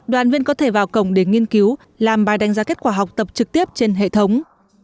đoàn viên có thể vào cổng để nghiên cứu làm bài đánh giá kết quả học tập trực tiếp trên hệ thống